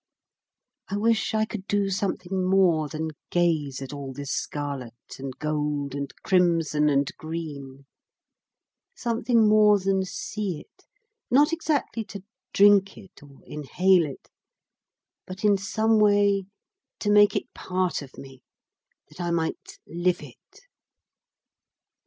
I wish I could do something more than gaze at all this scarlet and gold and crimson and green, something more than see it, not exactly to drink it or inhale it, but in some way to make it part of me that I might live it.